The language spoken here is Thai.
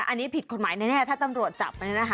อันนี้ผิดความหมายแน่ถ้าตำรวจจับเนี่ยนะคะ